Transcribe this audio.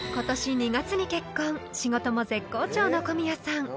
［仕事も絶好調の小宮さん］